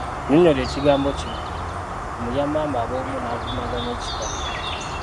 Nnyonnyola ekigambo kino: Omulya mmamba aba omu n'avumaganya ekika.